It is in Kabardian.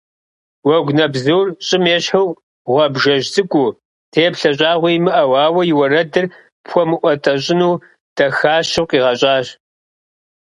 Уэгунэбзур щӏым ещхьу гъуабжэжь цӏыкӏуу, теплъэ щӏагъуи имыӏэу, ауэ и уэрэдыр пхуэмыӏуэтэщӏыну дахащэу къигъэщӏащ.